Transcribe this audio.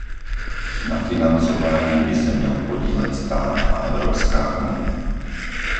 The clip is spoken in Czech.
Na financování by se měl podílet stát a Evropská unie.